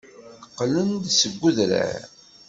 Qqlent-d seg udrar.